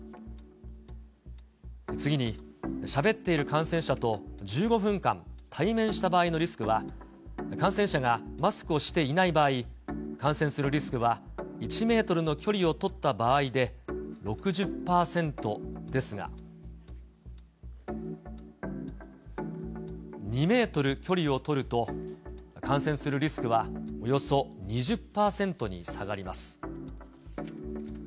次に、しゃべっている感染者と１５分間対面した場合のリスクは、感染者がマスクをしていない場合、感染するリスクは１メートルの距離をとった場合で６０％ですが、２メートル距離を取ると、感染するリスクはおよそ２０％に下がります。